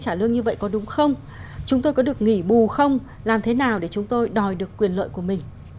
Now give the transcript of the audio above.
trả lương như vậy có đúng không chúng tôi có được nghỉ bù không làm thế nào để chúng tôi đòi được quyền lợi của mình